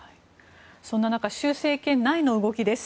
そんな中習政権内の動きです。